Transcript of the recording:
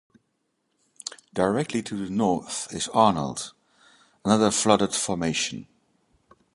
Directly to the north is Arnold, another flooded formation.